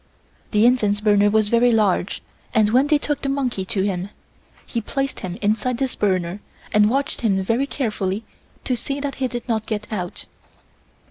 The incense burner was very large, and when they took the monkey to him he placed him inside this burner and watched him very carefully to see that he did not get out.